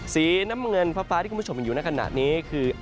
สีน้ำเงินฟ้าที่คุณผู้ชมเห็นอยู่ในขณะนี้คือ